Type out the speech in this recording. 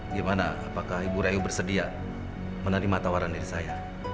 gimana apakah ibu rahayu bersedia menerima tawaran dari saya